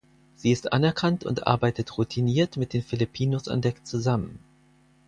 Sie ist anerkannt und arbeitet routiniert mit den Filipinos an Deck zusammen.